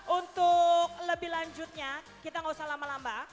untuk lebih lanjutnya kita nggak usah lama lama